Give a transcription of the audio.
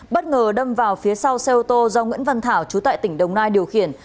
bất ngờ đâm vào phía sau xe ô tô do nguyễn văn thảo chú tại tỉnh đồng nai điều khiển